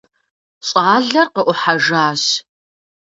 Щӏалэр къыӏухьэжащ.